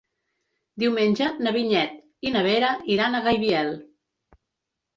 Diumenge na Vinyet i na Vera iran a Gaibiel.